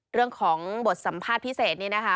เรื่องของบทสัมภาษณ์พิเศษนี่นะคะ